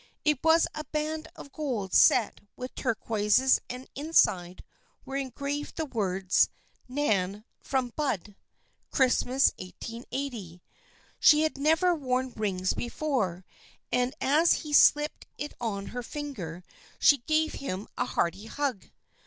It was a band of gold set with tur quoises and inside were engraved the words, " Nan from Bud. Christmas, 1880." She had never worn rings before, and as he slipped it on her fin ger she gave him a hearty hug.